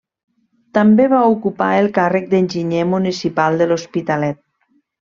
També va ocupar el càrrec d'enginyer municipal de l'Hospitalet.